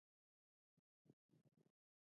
اضافي ارزښت د استثمار په پایله کې راځي